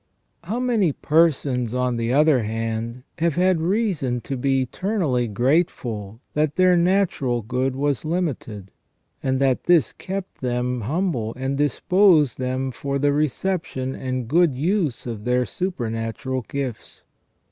How many persons, on the other hand, have had reason to be eternally grateful that their natural good was limited, and that this kept them humble and disposed them fbr the reception and good use of their supernatural gifts.